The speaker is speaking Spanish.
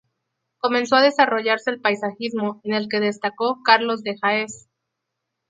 Comenzó a desarrollarse el paisajismo, en el que destacó Carlos de Haes.